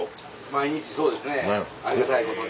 毎日そうですねありがたいことに。